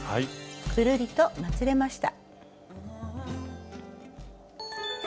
ぐるりとまつれました。